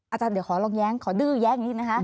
อาจารย์เดี๋ยวขอลองแย้งขอดื้อแย้งนิดนะคะ